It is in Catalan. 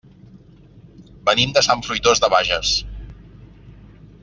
Venim de Sant Fruitós de Bages.